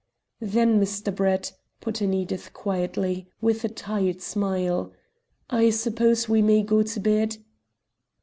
"Then, Mr. Brett," put in Edith quietly, with a tired smile, "I suppose we may go to bed?"